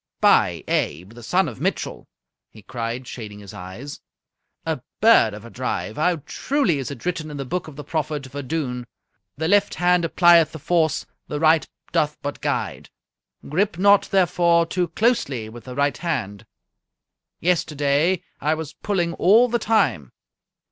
"By Abe, the son of Mitchell," he cried, shading his eyes, "a bird of a drive! How truly is it written in the book of the prophet Vadun, 'The left hand applieth the force, the right doth but guide. Grip not, therefore, too closely with the right hand!' Yesterday I was pulling all the time."